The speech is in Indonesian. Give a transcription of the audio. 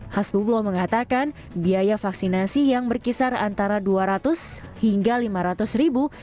hasbubloh mengatakan biaya vaksinasi yang berkisar antara dua ratus hingga lima ratus ribu